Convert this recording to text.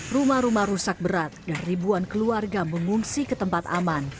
rumah rumah rusak berat dan ribuan keluarga mengungsi ke tempat aman